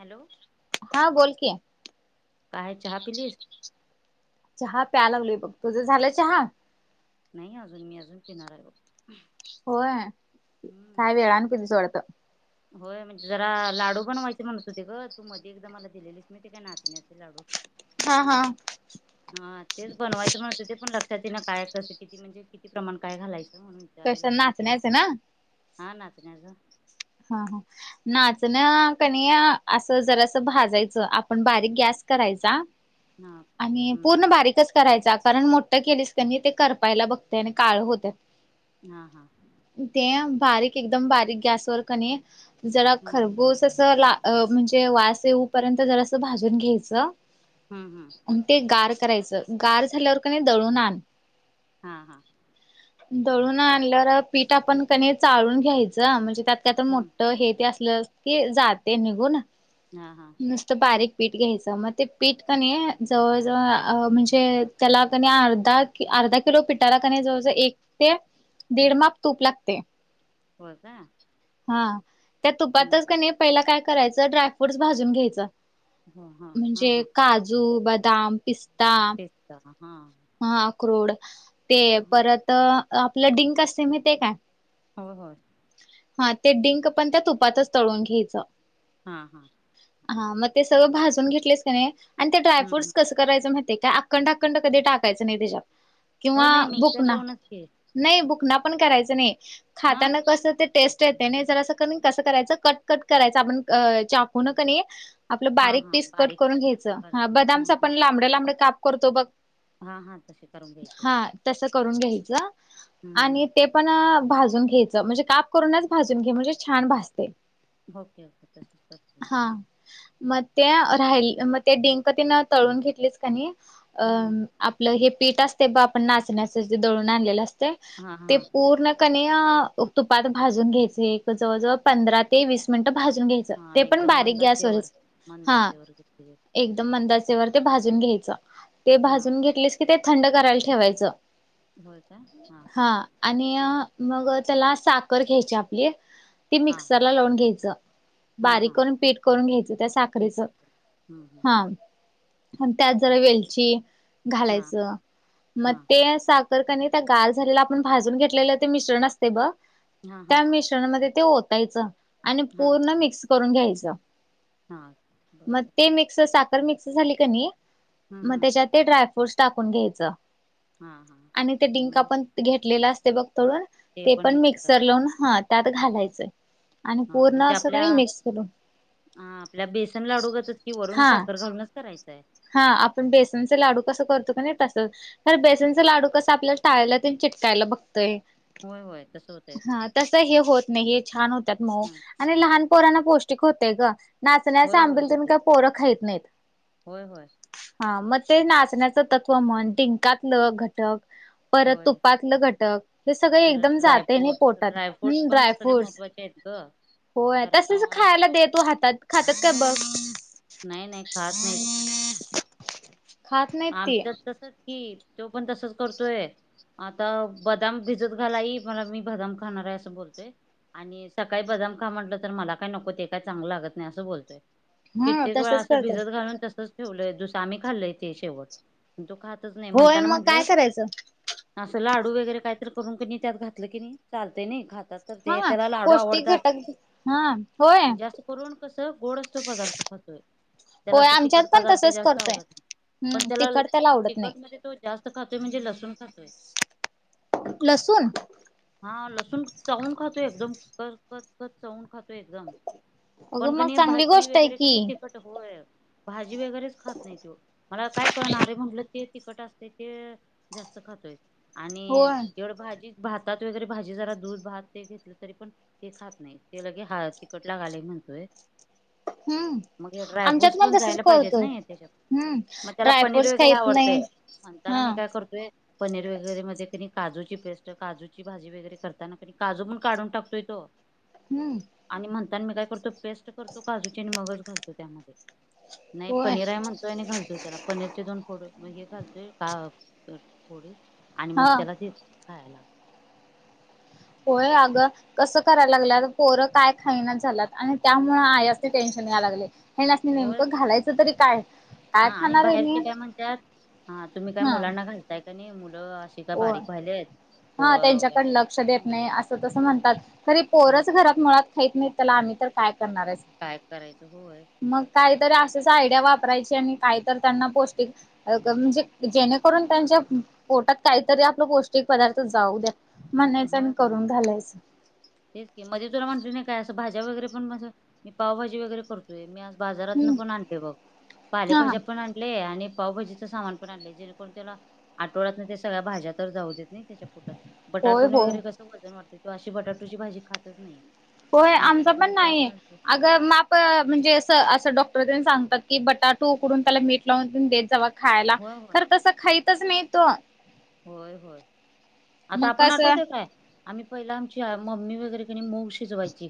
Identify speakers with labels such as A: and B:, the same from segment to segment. A: Hello.
B: हा बोल कि.
A: काय चहा पिलीस?
B: चहा प्या लावलीय बघ तुझं झालंय चहा.
A: नाही अजून मी अजून फिणार आहे बघ.
B: होय
A: हम्म
B: काही वेळाान कितीस वाडतं.
A: होय म्हणजे जरा लाडू बनवायचे म्हणत होते ग तू मध्ये एकदा मला दिलेली. मी ते काय नाचण्या ते लाडू.
B: हा हा.
A: हा तेच बनवायचं म्हण तु ते पण लक्षात ये ना काय कसं किती म्हणजे किती प्रमाण काय घालायचं. म्हणून
B: तशा
A: विचारायला फोन केला
B: नाचण्याचं आहे ना.
A: हा नाचण्याचं.
B: हा हा. नाचण कण असं जरा असं भाजायचं आपण बारीक गॅस करायचा. आणि
A: हम्म
B: पूर्ण बारीकच करायचा कारण मोठं केलीस त्यांनी ते करपायला बघते आणि काळ होत.
A: हा हा.
B: ते बारीक एकदम बारीक गॅसवरर कनी जरा
A: हम्म
B: खरबोस अस ला अ म्हणजे वास येऊपर्यंत जरास भाजून घ्यायचं.
A: हम्म हम्म,
B: ते गार करायचं गार झाल्यावर का नाय दळून आण.
A: हा हा,
B: दळून आणल्यावर पीठ आपण क नाय चाळून घ्यायचं म्हणजे त्यात. त्यात
A: हम्म
B: मोठं हे ते असलं की, जाते निघून.
A: हा हा,
B: नुसतं बारीक पीठ घ्यायचं म ते पीठ कनी जवळजवळ अ म्हणजे त्याला कणी अर्धा. की अर्धा किलो पिठाला का नाही जवळजवळ एक ते दीड माप तूप लागतेय.
A: होय का,
B: हा त्या
A: हम्म
B: तुपातच क नाही पहिला काय करायचं ड्रायफ्रूटस भाजून घ्यायचं.
A: हो हा हा
B: म्हणजे
A: हा
B: काजू बदाम पिस्ता.
A: [unintelligible] च्छ हा हां
B: हा अक्रोड ते परत अ आपलं डिंक असते माहितेय काय.
A: होय होय,
B: हा ते डिंक पण त्या तुपातच तळून घ्यायचं.
A: हा हा,
B: हा म ते सगळं भाजून घेतलेस का नाइ आणि
A: हम्म हम्म.
B: ड्रायफ्रूटस कस. करायचं मायतेय का अकंड अकंड कधी टाकायचं नाइ त्याच्यात
A: हो
B: किंवा
A: नाही
B: बुक
A: मिक्सर
B: ना.
A: लावूनच की
B: नाइ बुकना पण करायच नाइ
A: हा
B: खाताना कसं ते टेस्ट. टेस्ट येते ना कसं करायच कट कट करायच आपण चाकूनं क नई. आपलं
A: हा
B: बारीक
A: हा
B: पीस कट
A: बारीक
B: करून घ्यायचं
A: कराय
B: हा बदामचं
A: हम्म
B: आपण
A: हम्म
B: लांबडं लांबडं काप करतो बघ.
A: हा हा, तसे. करून घ्यायचे
B: ''हां'' तसं करून घ्यायचं
A: हम्म
B: आणि
A: हम्म
B: ते. पणं भाजून घ्यायचं म्हणजे काप करूनच भाजून घे म्हणजे छान भाजते.
A: ओके ओके तसच करते
B: हा म, त्या राहिल म ते डिंक तेनं तळून घेतलेच का नी अ.
A: हम्म
B: आपलं हे पीठ असते ब आपण नाचण्याचं जे दळून आणलेलं असतय
A: हा
B: ते
A: हा
B: पूर्ण. क नाही अ तुपात भाजून घ्यायचे एक जवळजवळ पंधरा ते वीस मिनिटं भाजून घ्यायच च
A: हा
B: ते पण
A: एकदम
B: बारीक गॅस
A: मंदाचेवर
B: वरच हां,
A: मंदाचेवर घेतली जाते.
B: एकदम मंद आचेवर ते भाजून घ्यायचं ते
A: हा
B: भाजून घेत ''--'' लेस की, ते थंडं करायला ठेवायचं
A: होय काय हा हा
B: हां, आणि अ मग त्याला साखर घ्यायची आपली ती
A: हा
B: मिक्सरला लावून घ्यायचं.
A: हा
B: बारीक
A: हा
B: करून पीठ करून घ्यायचं त्या
A: ठीक
B: साखरेचं
A: हम्म हम्म
B: हां. त्यात जरा वेलची
A: हा
B: घालायचं म
A: हा हा
B: ते सा ''--'' तर का नई त्या गार झालेलं आपण भाजुन घेतलेलं ते मिश्रण असते ब
A: हा हा
B: त्या मि ''--'' त्याच्या मध्ये ते ओतायचं आणि
A: हा
B: पूर्ण मिक्स करून घ्यायचं.
A: हा
B: म
A: बर बर
B: ते मिक्स साखर मिक्स झाली का नाही
A: हम्म
B: म
A: हम्म
B: त्याच्यात ते ड्राय ''--'' फुड्स टाकून घ्यायचं
A: हा हा
B: आणि ते डिंक आपण घेतलेलं असते बघ तळुन. ते पण मिक्सर लावून ह त्यात घालायचंय.
A: हा, मं ते आपल्या. हा, आपल्या बेसन लाडूगतच कि, वरून
B: हा
A: साखर घालूनच करायचंय हाय.
B: हा, आपण बेसनचे लाडू कसं करतो का नाई तसं. खरं बेसनचा लाडू कसं आपल्याल टाळ्याला ते चिटकायला बघतय.
A: होय होय तसं होतंय
B: हा, तस हे होत नई हे छान होत्यात मऊ.
A: हा
B: आणि लहान पोरांना पौष्टिक होतेय ग नाचण्याचं
A: होय होय
B: आंबिल तेन
A: होते
B: काय पोरं खायीत नाईत.
A: होय, होय.
B: हा मग ते नाचण्याच सत्त्व म्हण, डिंकातलं घटक परत
A: होय
B: तुपातल घटक, हे सगळ एकदम जातय नई
A: ड्रायफ्रूट्स
B: पोटात.
A: ड्रायफ्रूट्स
B: हम्म.
A: पण सगळे
B: ड्रायफ्रूटस
A: महत्त्वाचे आहेत ग
B: होय.
A: कारण
B: तसच,
A: का
B: खायला दे तु हातात खात्यात का बघ.
A: नई नई, खात नईत.
B: [unintelligible] ती
A: आमच्यात तसंच की, त्यो पण तसंच करतोय. आता बदाम भिजत घाल आई मला, मी बदाम खाणाराय असं बोलतोय आणि सकाळी बदाम खा म्हटलं तर, मला काय नको ते काय चांगलं लागत नाय असं बोलतोय.
B: हा
A: कित्येक वेळा
B: तसच
A: असं
B: करतात
A: भिजत घालून तसंच ठेवलंय. दुस आम्ही खाल्लय ते शेवट. तो खातच नाही,
B: होय
A: म्हणताना
B: मग काय
A: म्हणलं
B: करायचं
A: असं लाडू वगैरे कायतर करून की नयी, त्यात घातलं कनी चालतय नाही खात. त्यात तर ते
B: हा
A: त्याला लाडू
B: पौष्टिक
A: आवडतात.
B: घटक हा होय
A: जास्त करून कसं गोड असतो पदार्थ. त्याला
B: होय
A: असं
B: आमच्यात
A: तिखट
B: पण
A: पदार्थ
B: तसच
A: जास्त
B: करतोय
A: आवडत नाही. पण
B: हम्म
A: त्याला
B: तिखट आवडत
A: तिखट
B: नाही
A: मध्ये तो जास्त खातोय, म्हणजे लसून खातोय
B: लसुून.
A: हा लसूण, चावून खातोय एकदम, कचकचकचं चावून खातोय एकदम. पण,
B: अगं मग
A: कणी
B: चांगली
A: भाजी
B: गोष्ट आहे
A: वगैरे कनी
B: की.
A: तिखट नकोय. भाजी वगैरेच खात नाही तो, मला काय कळणा अरे म्हटलं ते तिखट असतयं ते जास्त खातोय, आणि
B: होय.
A: एवढ भाजी भात त्यात वगैरे भाजी जरा दूध भात, ते घेतलं तरी पण ते खात नाही ते लगे हा, तिखट लागालय म्हणतोय.
B: हम्म
A: मग हे
B: आमच्यात
A: ड्रायफ्रूट्स पण
B: तसच
A: जायला पाहिजेत
B: करतो
A: नही. ते
B: हम्म
A: मग त्याला पनीर
B: ड्रायफ्रूट्स
A: वगैरे
B: खाहीत
A: आवडतय.
B: नाही
A: म्हणताना
B: हा
A: मी काय करतोय पनीर वगैरे मध्ये कणी काजूची पेस्ट काजू ची भाजी वगैरे करताना, काजू पण काढून टाकतोय तो
B: हं.
A: आणि म्हणताना मी काय करतो, पेस्ट करतो काजूची आणि मगच घालतो त्यामध्ये. नाही
B: होय.
A: पनीर आहे म्हणतोय आणि, घालतोय त्याला पनीरचे दोन फोडे हे घालतोय फोडे, आणि मग
B: हा
A: त्याला देतोय. खायाय.
B: होय, अगं कसं करायला लागल्यात, पोरं काय खाईनाच झाल्यात, आणि त्यामुळं आयास्नी टेन्शन याय लागलय. ह्यानासनी,
A: होय
B: नेमकं घालायचं तरी काय..
A: हा,
B: काय
A: आणि
B: खाणार हेनी
A: बाहेरचे काय म्हणत्यात, हा तुम्ही काय
B: हा
A: मुलांना घालताय का नाही, मुलं उपाशी
B: होय.
A: बारीक व्हायल्यात.
B: हा, त्यांच्याकड लक्ष देत नाही असं तसं म्हणतात. खरी
A: होय
B: पोरच घरात मुळात खईत नाहीत, त्याला आम्ही तर काय करणार.
A: काय करायचं हो तर.
B: मग काहीतरी अशीच आयडिया वापरायची, आणि काहीतरी त्यांना पौष्टिक अग, म्हणजे जेणेकरून त्यांच्या पोटात काहीतरी आपलं पौष्टिक पदार्थ जाऊ द्या, म्हणायचं
A: हो
B: आणि
A: हो
B: करून घालायचं.
A: तेच की मध्ये तुला म्हटलं नाही काय, असं भाज्या वगैरे पण माझं मी पावभाजी वगैरे करतो. ते मी आज बाजारातन
B: हम्म
A: पण आणलोय बघ,
B: हा हा
A: पालेभाज्या पण आणलय आणि पावभाजीच सामान पण आणलय. जेणेकरून त्याला आठवड्यातन ते सगळ्या भाज्या पण जाऊ देत ना त्याच्या पोटात. बटाटू
B: होय
A: न
B: होय
A: वगैरे कसं वजन वाढत, तो अशी बटाटूची भाजी खातच नाही.
B: होयं
A: म्हणताना
B: आमचा
A: कोणी
B: पण
A: त्यात
B: नाहीये
A: घालते
B: अग माप प.. म्हणजे असं असं डॉक्टर त्यां सांगतात की, बटाटू उकडून त्याला मीठ लावून देत जावा. खायला
A: होय होय
B: तर तसं खायचच नाही तो
A: होय होय आता,
B: मग
A: आपण
B: कसं
A: आठवत काय? आम्ही पहिला आमची मम्मी वगैरे की नाय मूग शी मुग शिजवायची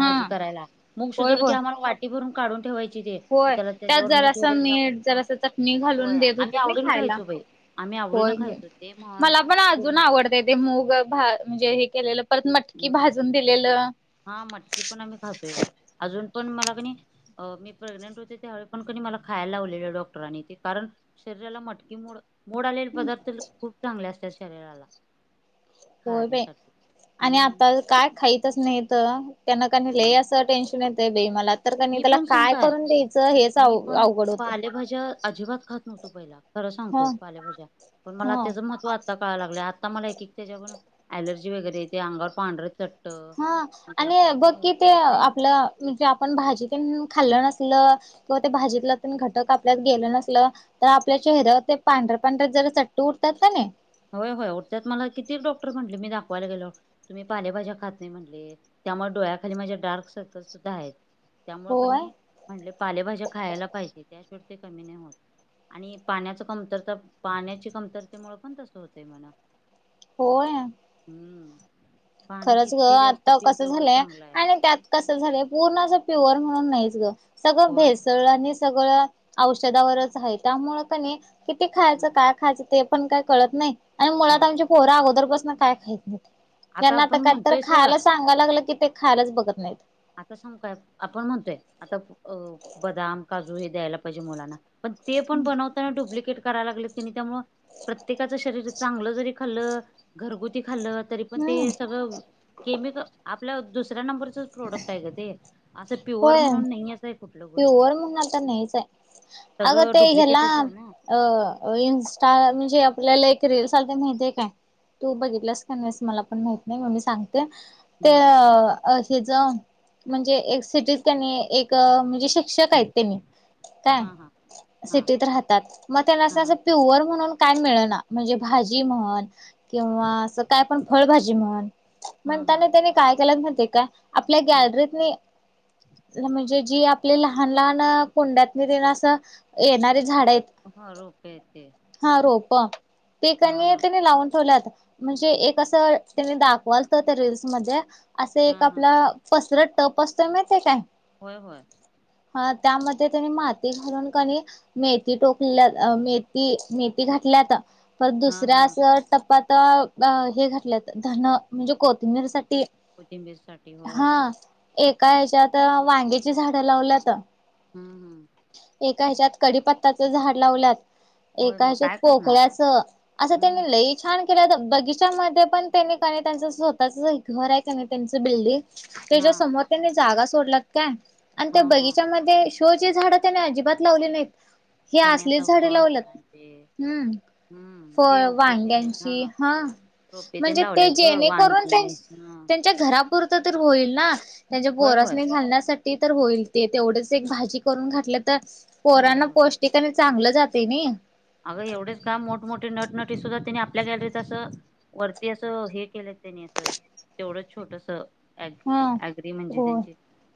B: हा
A: करायला मुग
B: होय
A: शिजवल की,
B: होय
A: आम्हाला वाटी भरून काढून ठेवायची किदे
B: होय त्यात
A: त्याच्यावर मीठ
B: जरासं
A: वगैरे
B: मीठ
A: टाकून
B: जरासं चटणी घालून
A: होय
B: देत
A: आम्ही
B: होतीत नाही
A: आवडून
B: खायला
A: खायचो बाई. आम्ही आवडीनो
B: होय होय.
A: खायचो ते म्हण
B: मला पण अजून
A: पुरण
B: आवडत. ते मूग म्हणजे हे केलेलं परत मटकी
A: हम्म
B: भाजून दिलेलं.
A: हा मटकी पण आम्ही खातोय बाई अजून पण मला की नाही मी प्रेग्नेंट होते त्यावेळी पण कनी मला खायला लावलेलं डॉक्टरांनी ते कारण. शरीराला मटकीे मोड मोड आलेले पदार्थ खूप चांगले असतात शरीराला.
B: होय बाई
A: खाण्यासाठी.
B: आणि
A: हम्म
B: आता काय खाईतच नाहीत. त्यांना क नाई लय
A: हम्म
B: असं टेन्शन येत बाई मला तर क नाही
A: मी
B: त्याला
A: पण सांगू
B: काय करून द्यायचं हेच
A: मी
B: अव
A: पण
B: अवघड होतय.
A: पालेभाज्या अजिबात खात नव्हतो पहिला खरं
B: ह
A: सांगतो पालेभाज्या. पण मला
B: ह
A: त्याचं महत्त्व आता कळाय लागलं आता मला एक त्याच्या प ऍलर्जी वगैरे येते अंगावर पांढर
B: हा आणि बघ कि ते
A: येत नाही
B: आपलं म्हणजे आपण भाजीतून खाल्लं नसल किंवा ते, भाजीतला घटक आपल्यात गेलं नसल तर आपल्या चेहऱ्यावर ते पांढर् पांढर जरा चट्टे उठतात का नाही.
A: होय होय उठतात मला किती डॉक्टर म्हटले मी दाखवायला गेल्यावर. तुम्ही पालेभाज्या खात नाही म्हटले त्यामुळे डोळ्याखाली माझ्या डार्क सर्कल सुद्धा आहेत. त्यामुळे का
B: होय
A: नाही म्हणटले पालेभाज्या खायला पाहिजे त्याशिवाय ते कमी नाही होत. आणि पाण्याच कमतरता पाण्याची कमतरतेमुळे पण तसं होतंय मला.
B: होय
A: हम्म पाणी
B: खरंच ग
A: किती जास्त
B: आता
A: पिईल
B: कसं
A: तेवढं
B: झालंय
A: चांगलं आहे.
B: आणि त्यात. कस झालय पूर्ण अस प्युअर म्हणून नाहीच ग सगळं
A: होय होय.
B: भेसळ आणि सगळ औषधावरच आहे त्यामुळे क नाही किती खायचं
A: हम्म
B: काय खायचं ते. पण काय कळत नाही आणि मुळात
A: होय
B: आमची
A: होय.
B: पोरं अगोदर पासून काय खात नाही. त्यांना आता
A: आपण
B: काय तर
A: म्हणतोय सोडा
B: खायला सांगायायला लागलं की ते खायलाच बघत नाहीत.
A: आता सांगू काय आपण म्हणतोय आता अ बदाम काजू हे द्यायला पाहिजे मुलांना. पण ते पण बनवताना डुप्लिकेट करायला लागलेत क नाही त्यामुळे. प्रत्येकाचं शरीर चांगलं जरी खालं घरगुती खालत. तरी पण
B: हम्म
A: ते सगळं केमिकल आपल्या दुसऱ्या नंबरच प्रोडक्ट आहे ग ते. असं पियोर
B: होय
A: म्हणून नाही येतं.
B: प्युअर म्हणून आता नाहीच ये अगं
A: सगळं
B: तेे ह्याला.
A: डुप्लिकेटच आहे ना
B: अ इंस्टा म्हणजे आपल्याला एक रील सारखे माहितीय काय? तू बघितलास काय नाही मला पण माहीत नाही मग मी सांगते. ते
A: हम्म
B: ह्याच म्हणजे एक सिटी क नाही एक म्हणजे शिक्षक आहेत ते काय
A: हा हा हा
B: सिटीत राहतात मग त्यांना
A: हा
B: अस प्युअर म्हणून. काय मिळेना म्हणजे भाजी म्हण किंवा असं काय पण फळभाजी म्हण.
A: हा हा
B: म्हणताना त्याने काय केल्यात माहिती ये का आपल्या
A: हा
B: गॅलरीतनी. म्हणजे जी आपली लहान लहान कुंड्यातून येतील असं येणारी झाड आहेत.
A: हा रोपे आहेत ते
B: हा रोप. ते
A: हा
B: कणी
A: हा
B: त्यांनी लावून ठेवल्यात. म्हणजे एक असं त्यानी दाखवालत त्या रीलस मध्ये. असं
A: हा
B: एक
A: हा
B: आपल फसरत टप असतोय माहिते काय?
A: होय होय.
B: हा त्यामध्ये त्यांनी माती घालून कणी मेथी टोक मेथी मेथी घातलेत. परत
A: हा
B: दुसऱ्या
A: हा
B: असं टप्पात हे घातल्यात. धन. म्हणजे कोथिंबीरसाठी.
A: कोथिंबीर साठी होय
B: हा एका ह्याच्यात वांग्याची झाडं लावल्यात.
A: हम्म हम्म.
B: एका ह्याच्यात कडीपत्ताचं झाड लावल्यात.
A: होय मग
B: एकायेच्यात
A: काय करणार
B: पोकळ्याचं. असं
A: हम्म
B: त्यांनी लई छान बगिचमध्ये पण त्यांनी काय त्यांच स्वतःच घर आहे का नाही त्यांच बिल्डिंग.
A: हा
B: त्याच्या समोर त्यानी जागा सोडलात काय. आणि
A: हा
B: त्या
A: हा
B: बगीच्यामध्ये शो ची झाडं त्याने अजिबात लावली नाहीत. हे
A: त्याने
B: असलीच
A: असं
B: झाडे
A: फळ
B: लावल्यात.
A: फळांचे
B: हम्म.
A: हम्म जे
B: होय
A: उपयोगी आहेत
B: वांग्यांची हा.
A: रोपे तेन
B: म्हणजे ते
A: लावल्यात ग
B: जेणे करून
A: वांगी हा
B: तेन च्या घरापुरत तर होईल ना. त्यांच्या
A: होय होय
B: पोरासनी घालण्यासाठी. होईल ते. तेवढच एक भाजी करून घातलं तर
A: होय
B: पोराना
A: होय
B: पोष्ट टीक आणि चांगलं जाते नी.
A: अगं एवढेच काय. मोठमोठे नटनटी सुुद्धा तिने आपल्या गॅलरीत असं वरती असं हे केलं त्यांनी असं, तेवढं छोटस. अ
B: हा
A: अग्री म्हणजे
B: हो
A: त्यांचे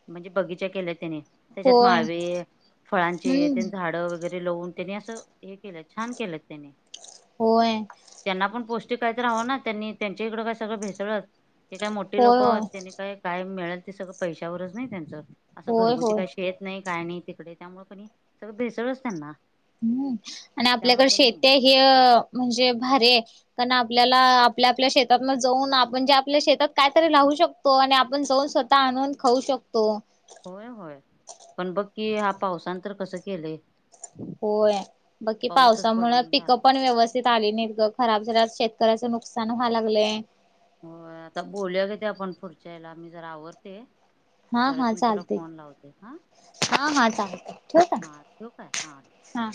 A: म्हणजे बगीचा केल्या त्याने. त्याच्यात
B: होय
A: माळवे, फळांचे
B: हम्म
A: झाडं वगैरे लावून. त्यानी असं हे केलं छान केलं त्यानी.
B: होय.
A: त्यांना पण पौष्टिक काय तर हवं ना. त्यांनी त्यांच्या इकडे काय सगळं भेसळच. ते काय मोठी
B: होय
A: लोक.
B: होय
A: त्यनी काय काय मिळेल ते सगळं पैशावरच नाही त्यांचं. असं
B: होय
A: घरगुती
B: होय
A: काय येत नाही काय नाही तिकडे. त्यामुळे पणी सगळं भेसळच त्यांना.
B: हम्म. आणि
A: त्यामुळे
B: आपल्याकडे
A: त्यांनी
B: शेतीय ह अ म्हणजे भारीय. कारण आपल्याला आपल्या आपल्या शेतातन जाऊन. आपण जे आपल्या शेतात काय तरी लाऊ शक तो. आणि आपण जाऊन स्वतः आणून खाऊ शकतो.
A: होय होय, पण बघ की हा पावसान तर कसं केलंय?
B: होय, बकी
A: पाऊसच
B: पावसामुळे
A: पडण झाला.
B: पिक अप पण व्यवस्थित आले नाहीत ग. खराब झाल्यात. शेतकऱ्याचं नुकसान व्हाय लागलय.
A: होय आता बोलूया ग ते आपण फूडच्या याला. आता मी जरा आवरते.
B: हा
A: परत
B: हा
A: मी तुला
B: चालतंय
A: फोन लावते हा.
B: हा हा चालतंय ठेवू का?
A: हा ठेऊ काय? हा.
B: हा.